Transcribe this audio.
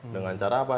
dengan cara apa